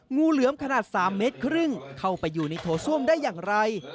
งูเหลือมขนาด๓เมตรครึ่งเข้าไปอยู่ในโถส้วมได้อย่างไร